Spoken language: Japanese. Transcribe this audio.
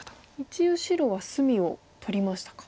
一応白は隅を取りましたか。